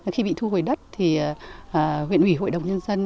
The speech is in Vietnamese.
khi bị thu hoài đức thì huyện ủy hội đồng nhân dân